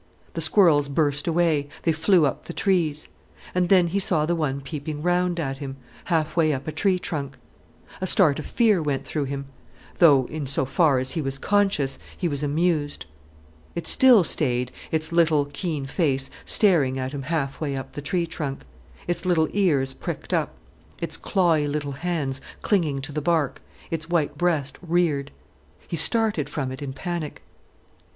The squirrels burst away—they flew up the trees. And then he saw the one peeping round at him, half way up a tree trunk. A start of fear went through him, though, in so far as he was conscious, he was amused. It still stayed, its little, keen face staring at him halfway up the tree trunk, its little ears pricked up, its clawey little hands clinging to the bark, its white breast reared. He started from it in panic.